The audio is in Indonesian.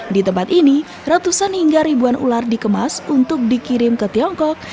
di tempat ini ratusan hingga ribuan ular dikemas untuk dikirim ke tiongkok